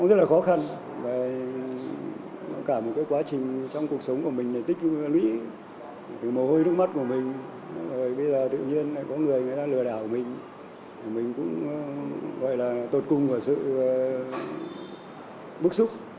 rất là khó khăn và cả một cái quá trình trong cuộc sống của mình là tích lũy từ mồ hôi nước mắt của mình rồi bây giờ tự nhiên có người người ta lừa đảo của mình thì mình cũng gọi là tột cung ở sự bức xúc